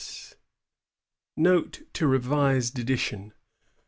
NOTE TO REVISED EDITION.